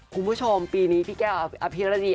คุณผู้ชมปีนี้พี่แก้วอภิรดี